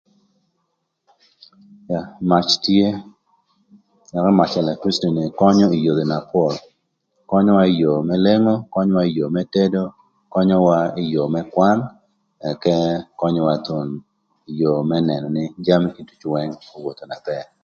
Mac tye, ëka mac elekriciti könyöwa ï yodhi na pol, könyöwa ï yoo më lengo, könyöwa ï yoo më tedo, könyöwa ï yoo më kwan, ëka könyöwa thon ï yoo më nënö nï jami kiducu wëng owodho na bër.